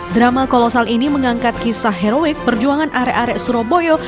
drama kolosal ini mengangkat kisah heroik perjuangan arek arek surabaya